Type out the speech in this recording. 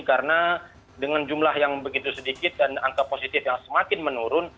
karena dengan jumlah yang begitu sedikit dan angka positif yang semakin menurun